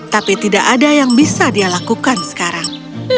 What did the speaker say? tapi tidak ada yang bisa dia lakukan sekarang